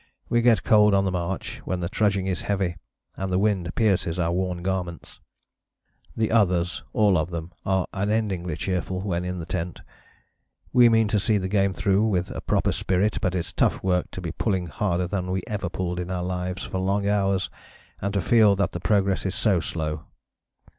We get cold on the march when the trudging is heavy, and the wind pierces our worn garments. The others, all of them, are unendingly cheerful when in the tent. We mean to see the game through with a proper spirit, but it's tough work to be pulling harder than we ever pulled in our lives for long hours, and to feel that the progress is so slow.